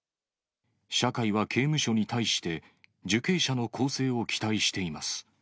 社会は刑務所に対して、受刑者の更生を期待しています。